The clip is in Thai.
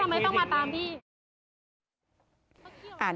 ทำไมต้องมาตามพี่